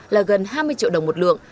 là gần hai mươi triệu đồng một lượng